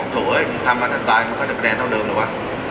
เป็นคาแนนเท่าเดิมเลยว่ะ